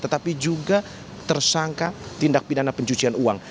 tetapi juga tersangka tindak pidana pencucian uang